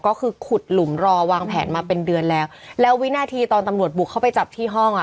ก็คือขุดหลุมรอวางแผนมาเป็นเดือนแล้วแล้ววินาทีตอนตำรวจบุกเข้าไปจับที่ห้องอ่ะ